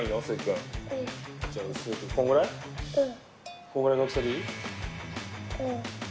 うん。